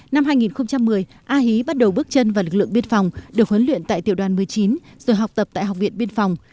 năm hai nghìn một mươi a hí bắt đầu bước chân vào lực lượng biên phòng được huấn luyện tại tiểu đoàn một mươi chín rồi học tập tại học viện biên phòng